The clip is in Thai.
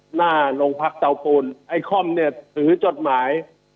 หน้าโรงพักเตาปูนไอ้ค่อมเนี่ยถือจดหมาย